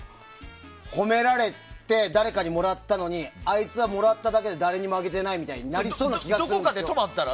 褒められて誰かにもらったのにあいつはもらっただけで誰にもあげてないみたいになりそうな気がする。